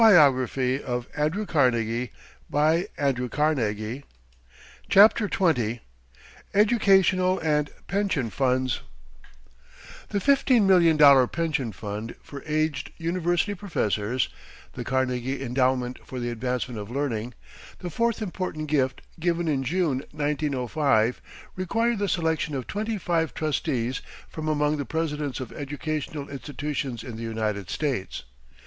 Such is our Lord High Commissioner of Pensions. CHAPTER XX EDUCATIONAL AND PENSION FUNDS The fifteen million dollar pension fund for aged university professors (The Carnegie Endowment for the Advancement of Learning), the fourth important gift, given in June, 1905, required the selection of twenty five trustees from among the presidents of educational institutions in the United States.